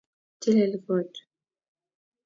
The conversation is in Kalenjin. tilil koot